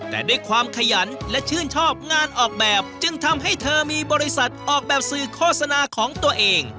แต่ด้วยความขยันและชื่นชอบงานออกแบบจึงทำให้เธอมีบริษัทออกแบบสื่อโฆษณาของตัวเอง